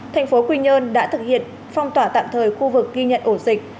tp quy nhơn đã thực hiện phong tỏa tạm thời khu vực ghi nhận ổ dịch